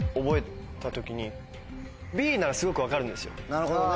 なるほどね。